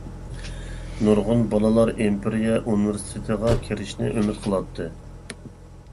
نۇرغۇن بالىلار ئىمپېرىيە ئۇنىۋېرسىتېتىغا كىرىشىنى ئۈمىد قىلاتتى.